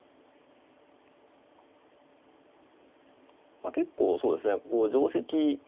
まあ結構そうですね